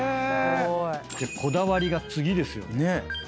でこだわりが次ですよね。